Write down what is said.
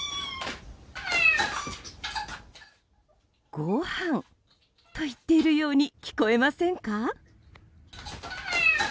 ごはんと言っているように聞こえませんか？